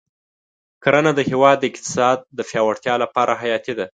کرنه د هېواد د اقتصاد د پیاوړتیا لپاره حیاتي ده.